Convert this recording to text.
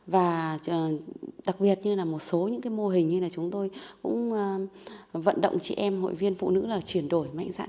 và đặc biệt như là một số những cái mô hình như là chúng tôi cũng vận động chị em hội viên phụ nữ là chuyển đổi mạnh dạng